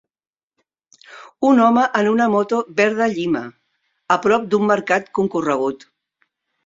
Un home en una moto verda llima, a prop d'un mercat concorregut.